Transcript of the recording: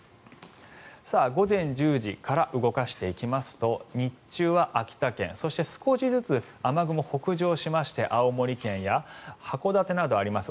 午前１０時から動かしていきますと日中は秋田県そして、少しずつ雨雲、北上しまして青森県や函館があります